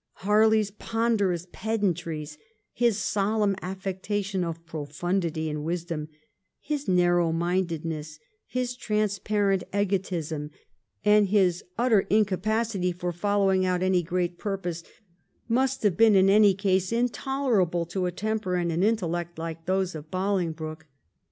Harley 's ponderous pedantries, his solemn affectation of profundity and wisdom, his narrow mindedness, his transparent egotism, and his utter incapacity for following out any great purpose, must have been in any case in tolerable to a temper and an intellect like those of Bolingbroke.